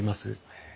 へえ。